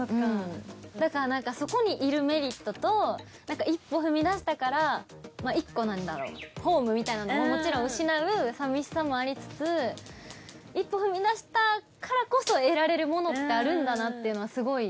だからなんかそこにいるメリットと一歩踏み出したから１個なんだろうホームみたいなのをもちろん失う寂しさもありつつ一歩踏み出したからこそ得られるものってあるんだなっていうのはすごい。